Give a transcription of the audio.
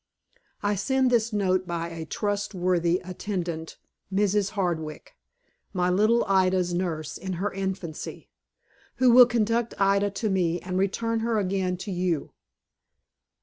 I send this note by a trustworthy attendant, Mrs. Hardwick, my little Ida's nurse in her infancy, who will conduct Ida to me, and return her again to you.